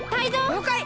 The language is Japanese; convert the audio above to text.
りょうかい！